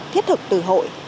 thiết thực từ hội